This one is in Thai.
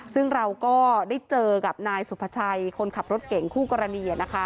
ซึ่งเราก็ได้เจอกับนายสุภาชัยคนขับรถเก่งคู่กรณี